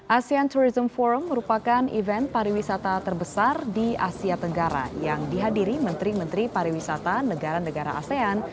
asean tourism forum merupakan event pariwisata terbesar di asia tenggara yang dihadiri menteri menteri pariwisata negara negara asean